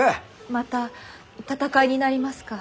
また戦いになりますか？